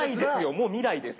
もう未来です。